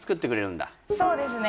そうですね